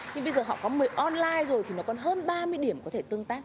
nhưng bây giờ họ có một mươi online rồi thì nó còn hơn ba mươi điểm có thể tương tác